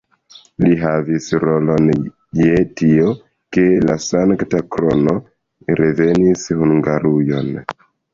Li havis rolon je tio, ke la Sankta Krono revenis Hungarujon.